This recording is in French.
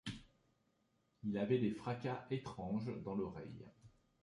Il avait des fracas étranges dans l’oreille.